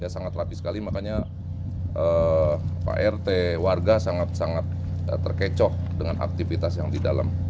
sangat rapi sekali makanya pak rt warga sangat sangat terkecoh dengan aktivitas yang di dalam